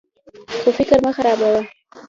خو فکر مه خرابوه.